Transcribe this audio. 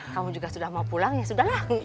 kamu juga sudah mau pulang ya sudah lah